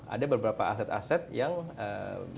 ada beberapa aset aset yang berhubungan dengan crypto